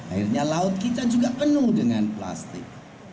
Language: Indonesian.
akhirnya laut kita juga penuh dengan plastik